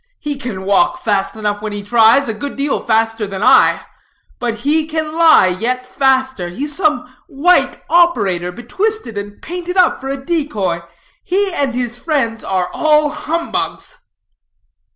He can walk fast enough when he tries, a good deal faster than I; but he can lie yet faster. He's some white operator, betwisted and painted up for a decoy. He and his friends are all humbugs."